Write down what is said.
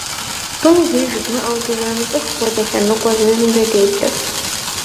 Тӏуми зыри жыдмыӏэу, дызэрымыцӏыху хуэдэ, лъэныкъуэ зырызымкӏэ дыплъэрт.